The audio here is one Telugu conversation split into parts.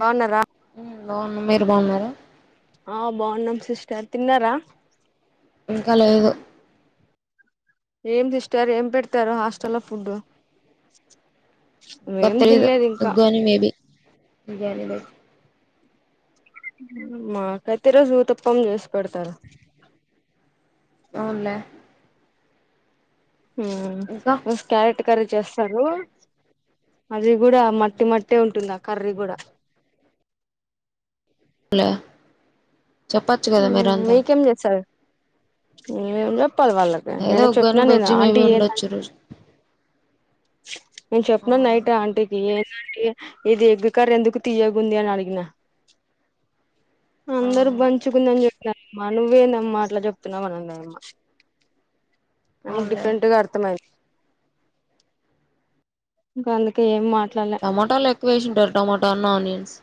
బాగున్నారా మ్ అవును మీరు బాగున్నార ఆ బాగున్నాం సిస్టర్ తిన్నారా ఇంకా లేదు ఏం సిస్టర్ ఏం పెడతారు హాస్టల్లో ఫుడ్డు తెలీదు ఉగ్గాని మేబి మాకైతే ఈరోజు ఊతప్పం చేసి పెడతారు అవునులే ఉ ఇంకా బస్ క్యారెట్ కర్రీ చేస్తారు అది కూడా మట్టి మట్ట్టే ఉంటుంది ఆ కర్రీ కూడా హలా చెప్పచ్చు గదా మీరంతా ఏ చెప్పాలి వాళ్ళకి ఏదో నేను చెప్పిన ఉగ్గాని నేను బజ్జి మేబి అంటీ ఏ ఉండొచ్చు రుజు నేను ఆ చెప్పిన నైట్ ఆంటకి ఏ ఇది ఎగ్ కర్రీ ఎందుకు తీయగుంది అని అడిగిన ఆ అందరు బంచుగుందని మ్మా నువ్వేందమ్మా అట్లా జెప్తున్నావు అనిందాయమ్మ ఆయమ్మకి అవునులే డిఫరెంట్గా అర్థమది ఇంక అందుకే ఏం మాట్ టమోటాలు ఎక్కువేసింటారు టమోటా అన్న ఆనియన్స్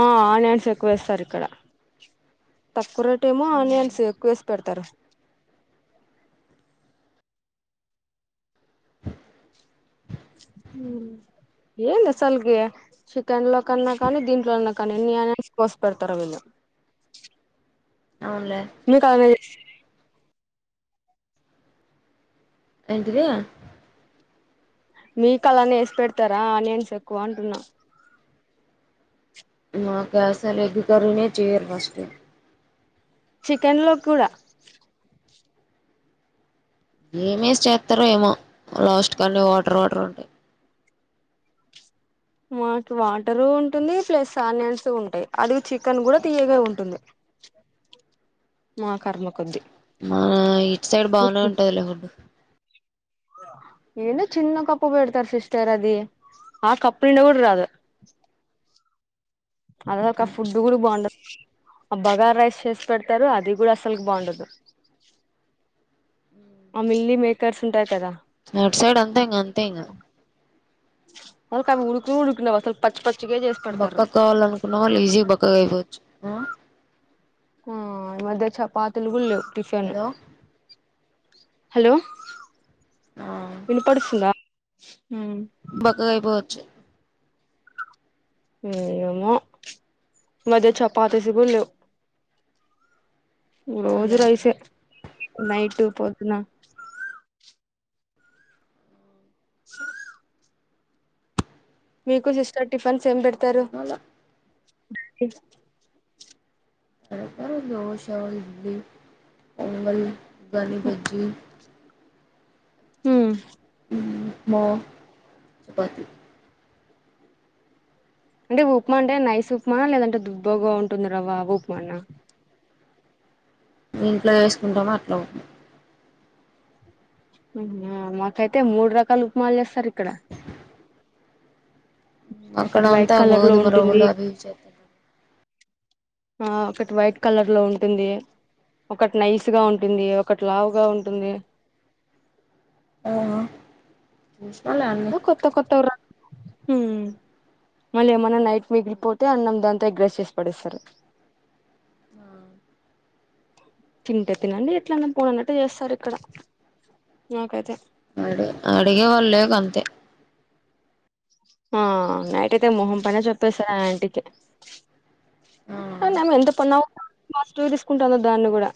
ఆ ఆనియన్స్ ఎక్కువేస్తారు ఇక్కడ తక్కువర టెమో మ్మ్ ఆనియన్స్ పెడతారు ఏందసల్కి చికన్ లో కన్నా కానీ దీంట్లోన్నా కానీన్న కోసి పెడతారు వీళ్ళు అవునులే మీ [unintelligible] కా ఏంటిది మీకులానే వేసి పెడతారా ఆనియన్స్ ఎక్కువ అంటున్నా మా క్యాసాలు ఎగ్ కర్రీ నే చెయరు ఫస్ట్ చికెన్ లో కూడా ఏమేసి చేస్తారు ఏమో లాస్ట్ కాన్ని వాటర్ వాటర్ ఉంటయి మాకు వాటరు ఉంటుంది ప్లస్ ఆనియన్స్ ఉంటాయి ఆది చికెన్ కూడా తీయగా ఉంటుంది మా కర్మ కొద్దీ మన ఇట్ సైడ్ బాగునే ఉంటది లే ఫుడ్ ఏను చిన్న కప్పు బేడతారు సిస్టర్ అదిీ ఆ కప్పు నిండా కూడా రాదు అద ఒక ఫుడ్ కూడా బాగుండదు ఆ బగార్ రైస్ చేసి పెడతారు అది కూడా అసలుకి బాగుండదు ఆ మిల్లీ మేకర్స్ ఉంటాయి కదా అటు సైడ్ అంతా ఇంగా అంతే ఇంగా అక ఉడుక్కు ఉడుకునవా స్ పచ్ పచ్ బక్క కావాలి అనుకున్నా వాళ్ళు ఈజీ బక్ క గా అయిపోవచ్చు ఆ ఈ మధ్య చపాతులు గుళ్ లేవు టిఫెన్ హలో హలో ఆ వినపడుస్తుందా చ బక్కగా అయిపోవచ్చు ఏమో మధ్య చపాతి సీకు లేవు రోజు అవునులే రైసే నైట్ పొద్దున క మీకు సిస్టర్ టిఫ్ ఫన్న్స్ ఏం పెడతారు తిరుమల నాకే నాక దోస, ఇడ్లీ, పొంగలి, ఉగ్గని బజ్జీ హుమ్ మో చపాతి అంటే ఉప్మా అంటే నైస్ ఉప్మానా లేదంటే దుబ్బగా ఉంటుంది రవా ఆ ఉప్మానా ఇంట్లో వేసుకుంటాము అట్లా మాకైతే మూడు రకాల ఉప్మాలు చేస్తారు ఇక్కడ అక్కడ ఒకటి వైట్ అంతా కలర్ లో గోధుమ ఉంటుంది రవ్వలు అవి ఇవి చేస్తారు ఆ ఒకటి వైట్ కలర్ లో ఉంటుంది ఒకటి నైస్ గా ఉంటుంది ఒకటి లావుగా ఉంటుంది ఆ చూసినాలే అన్ని అ కొత్తా కొత్తావరా మళ్ళీ ఏమన్నా నైట్ మిగిలిపోతే అన్నం దాంతా అగ్రెస్ చేసి పడేస్తారు ఆ [inaudible] తింటే తినండి ఎట్లన్నా పోనన్నట్టు చేస్తారు ఇక్కడ నాకైతే అడు అడిగ వళ్ళే కంత ఆ నైట్తే మొహం పనే చెప్పేసా ఇంటికి ఆ నమ ఎంత పన్నం మాటూ తీసుకుంటుంద దాన్ని కూడా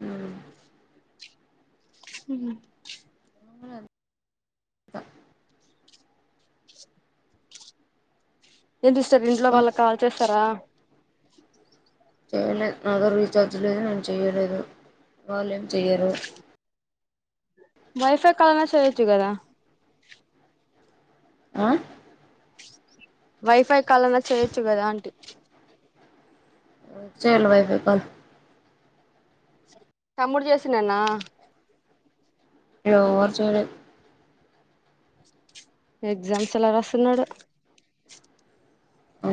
అ హ అకా ఏంటిస్ర్ ఇట్లో ఇంకా వాళ్ళకి కాల్ చేస్తారు ఇస్తార చేయలేదు నాతో రీఛార్జ్ లేదు నేను చేయలేదు వాాల్యం చేయరు వైఫై కాలనా చేయచ్చు కదా ఆ వైఫై కాలనా చేయొచ్చు కదా అంటీ చల్ భైపుప తమ్ముడు చేసినన్న ఏర్చూడ ఎగ్జామ్స్ ఎల్ రస నోడు ఆ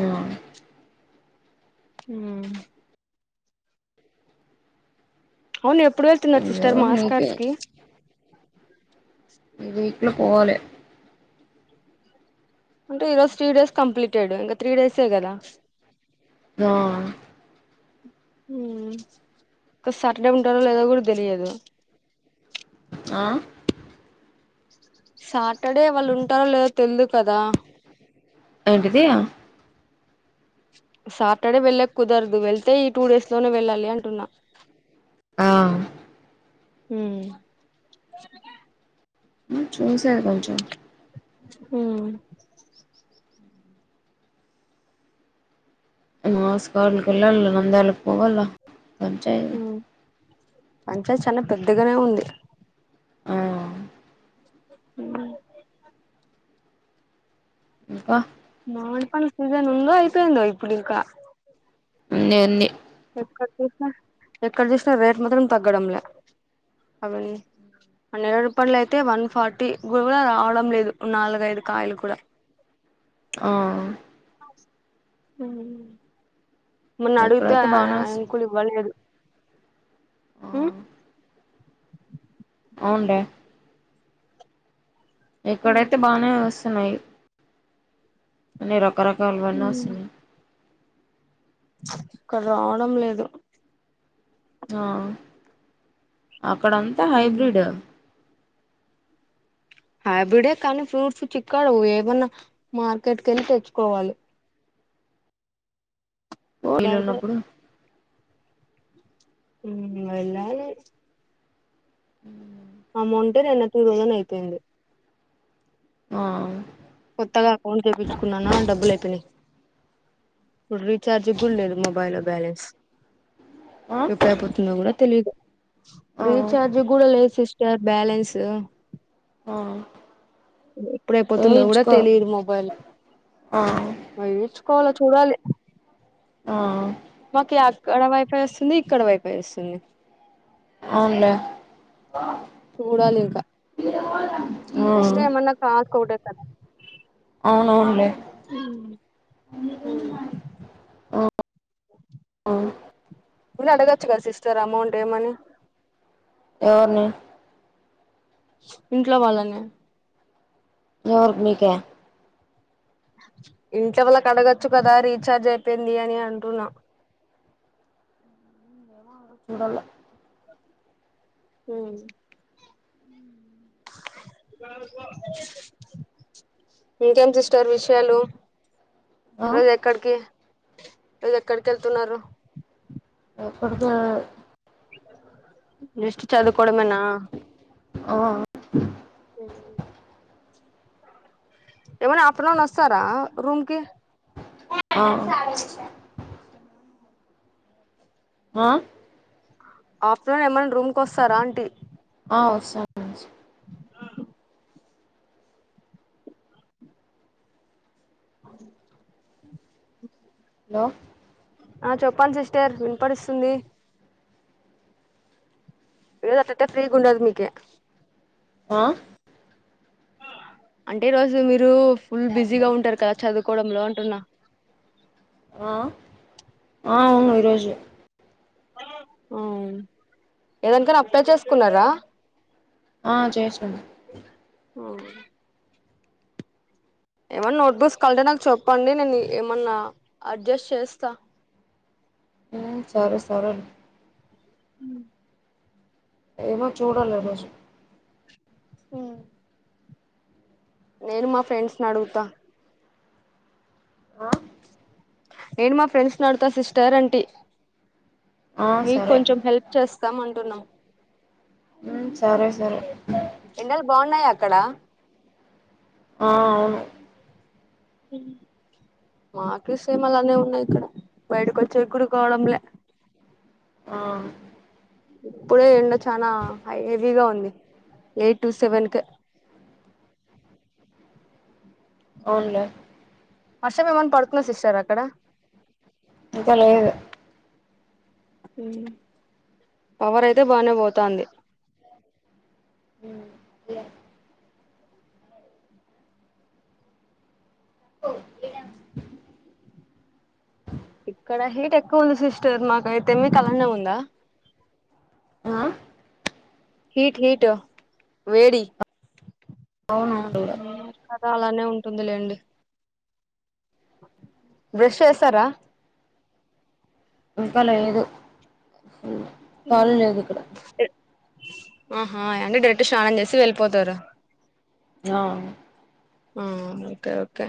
హ అవును ఎప్పుడు వ న్నారు సిస్టర్ ఇదెవరు నీకే మాస్కార్స్ కి ఈ వీట్లో పోవాలి అంటే ఈ రోజు త్రీ డేస్ కంప్లీట్డు ఇంకా త్రీ డేసే కదా ద ఇ సాటర్డే ఉంటారో లేదో కూడా తెలియదు ఆ సాటర్డే వాళ్ళు ఉంటారో లేదో తెలిదు కదా అవుంటిదయా సాటర్డే వెళ్ళ కుదరదు వెళ్తే ఈ టూ డేస్ లోనే వెళ్ళాలి అంటున్నా ఆ హ చూసారు కచ అ మాస కాాలకి వెల్ నందేల పోవాలాల కొంచా పంచాయత్ చాలా పెద్దగానే ఉంది ఆ హ వాహ మమిడి పల్ల సీజన్ ఉంద అయితయిందవ ఇ పుడుకా అన్ని అన్ని ఎక్కడ చూసినా ఎక్కడ చూసినా రేట్ మాత్రం తగ్గడంలే అవీన్నై రూపాయలు అయితే వన్ ఫార్టీ కూడా రావడం లేదు నాలుగైదు కాయలు కూడా ఆ హూ మొన్న అడుగితే ఇక్కడైతే బానే వస్తుంది అయంకుళివ్వలేదు ఆ ఉమ్ అవుండే ఇక్కడైతే బానే వస్తున్నాయి నీరబ్ ఒకరకాల వన్ని వస్తున్నయ్ ఇక్కడ రావడం లేదు ఆ అక్కడంతా హైబ్రిడ్ హాబిడే కానీ ఫ్రూట్స్ చిక్కాడు ఏవున్నా మార్కెట్కి వెళ్ళి తెచ్చుకోవాలి కోయలు బయట ఉన్నప్పుడు ఊ వెళ్లాలే ఉ అమౌంటు నిన్న టూ థౌసండ్ అయిపోయింది ఆ కొత్తగా అకౌంట్ చేపించుకున్నానా డబ్బులు అయిపోయినాయి ఇప్పుడు రీచార్జ్ కూడా లేదు మొబైల్లో బ్యాలెన్స్ ఆ ఎప్పుడైయిపోతుందో కూడా తెలీదు ఆ రీచార్జ్ కూడా లేసిస్ యువర్ బ్యాలెన్స్ ఆ ఎప్పుడైపోతుందో కూడా వేయించుకో తెలిదు మొబైల్ ఆ మళ్లీ తెచ్చుకోవల్ చూడాలి ఆ మాకు అక్కడ వైఫై వస్తుంది ఇక్కడ వైఫై వస్తుంది అవున్లా చూడాలి ఇంకా ఎస్ ఉమ్ టమన్నా కకోడ కదా అవునవునులే ఉమ్ ఆ అవును మళ్ళా అడగొచ్చు కదా సిస్టర్ అమౌంట్ ఏమని ఎవర్ని ఇంట్లో వాళ్ళనే ఎవరికీ నీకా ఇంట్లో వల్లకడగొచ్చు కదా రీఛార్జ్ అయిపోయింది అని అంటున్నా చూడాల్ల ఉమ్ ఇంకేమీ సిస్టర్ విషయాలు ఆ రోజు ఎక్కడికి ఈ రోజు ఎక్కడికి వెళ్తున్నారు ఎక్కడకెల్లల జస్ట్ చదువుకోవడమేనా ఆ [unintelligible] ఏమన్న ఆ పిన్నలు వస్తారా రూమ్ కి ఆ ఆ ఆఫ్ట్నూన్ లోనే ఏమైన్నా రూమ్కోస్తారా అంటీ ఆ వొస్స నాస్ హలో ఆ చెప్పండి సిస్టర్ వినపడిస్తుంది ఈరోజు అట్టట్ట ఫ్రీగుండది మీకి ఆ అంటే ఈ రోజు మీరు ఫుల్ బిజీగా ఉంటారు కదా చదువుకోవడంలో తన్నా ఆ ఆ అవును ఈరోజు ఆ ఏదానికనా అప్లై చేసుకున్నారా ఆ చేసున్న ఓ ఏమన్నా నోట్బుక్స్ కావాలంటే నాకు చెప్పండి నేను ఏమన్నా అడ్జస్ట్ చేస్తా ఉమ్ సారు సరు అని హుమ్ ఏమో చూడాలి ఆ రోజు హు నేను మా ఫ్రెండ్స్ నడుగుతా ఆ నేను మా ఫ్రెండ్స్ నడుగుతా సిస్టర్ అంటి ఆ మీకు సరే కొంచెం హెల్ప్ చేస్తాం అంటున్నాం ఉమ్ సరే సరే ఎండలు బాగున్నాయ అక్కడ ఆ అవును మాకీ సేమ్ అలానే ఉన్నాయి ఇక్కడ బయటక వచ్చేగూడ కావడంలా ఆ ఇప్పుడుే ఎండ చానా ఐ హెవీగా ఉంది ఎయిట్ టు సెవెన్ కె అవునులే వర్షం ఏమన్నా పడుతున్నా సిస్టర్ అక్ ఇంకా లేదు పవర్ అయితే బానే పోతాంది ఉ పోఓ ఏడ ఇక్కడ హీట్ ఎక్కువ ఉంది సిస్టర్ మాకైతే మీకు అలానే ఉందా ఆ హీట్ హీట్ వేడి అవును మాక్కూడా చాలానే ఉంటుంది లేండి బ్రష్ చేస్తారా ఇంకా లేదు కాలి లేదు ఇక్కడ ఆహా అంటే డైరెక్ట్ స్నానం చేసి వెళ్ళిపోతారు ఆ ఆ ఓకే ఓకే